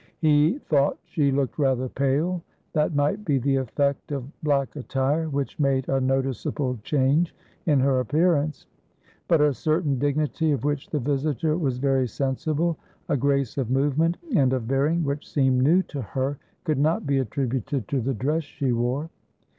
He thought she looked rather pale; that might be the effect of black attire, which made a noticeable change in her appearance. But a certain dignity of which the visitor was very sensible, a grace of movement and of bearing which seemed new to her, could not be attributed to the dress she wore.